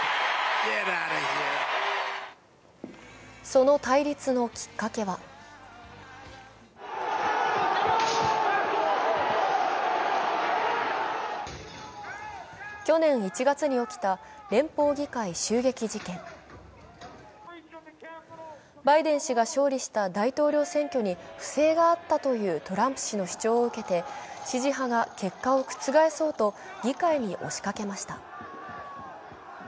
その対立のきっかけは去年１月に起きた連邦議会襲撃事件バイデン氏が勝利した大統領選挙に不正があったというトランプ氏の主張を受けて支持派が結果を覆そうと議会に押しかけました。